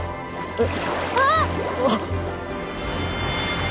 あっ。